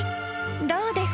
どうです？